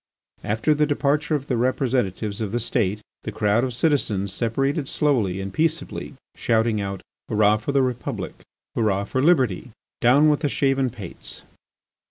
After the departure of the representatives of the State the crowd of citizens separated slowly and peaceably, shouting out, "Hurrah for the Republic!" "Hurrah for liberty!" "Down with the shaven pates!"